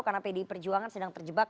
karena pdi perjuangan sedang terjebak